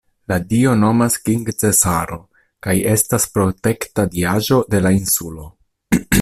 La dio nomas King-Cesaro kaj estas protekta diaĵo de la insulo.